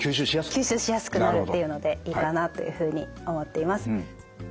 吸収しやすくなるっていうのでいいかなというふうに思っています。